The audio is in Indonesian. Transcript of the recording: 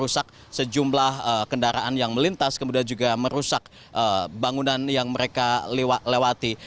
merusak sejumlah kendaraan yang melintas kemudian juga merusak bangunan yang mereka lewati